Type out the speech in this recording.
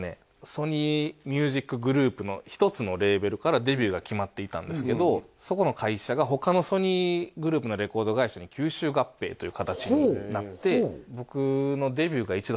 ソニー・ミュージックグループの１つのレーベルからデビューが決まっていたんですけどそこの会社が他のソニーグループのレコード会社に吸収合併という形になってほうほうえ